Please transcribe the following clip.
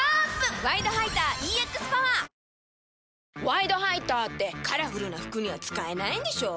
「ワイドハイター」ってカラフルな服には使えないんでしょ？